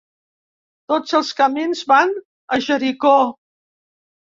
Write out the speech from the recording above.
Tots els camins van a Jericó